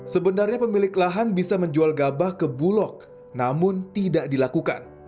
sebenarnya pemilik lahan bisa menjual gabah ke bulog namun tidak dilakukan